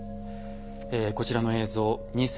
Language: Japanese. こちらの映像